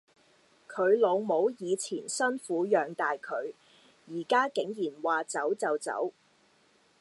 佢老母以前辛苦養大佢，而家竟然話走就走